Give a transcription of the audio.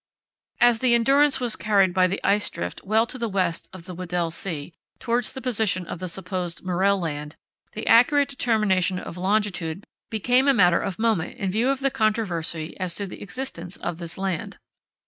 As the Endurance was carried by the ice drift well to the west of the Weddell Sea, towards the position of the supposed Morrell Land, the accurate determination of longitude became a matter of moment in view of the controversy as to the existence of this land.